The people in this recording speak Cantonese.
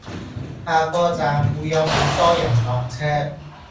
下個站會有好多人落車